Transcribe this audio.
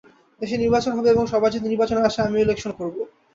দেশে নির্বাচন হবে এবং সবাই যদি নির্বাচনে আসে, আমিও ইলেকশন করব।